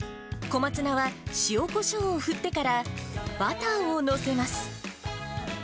小松菜は塩こしょうを振ってから、バターを載せます。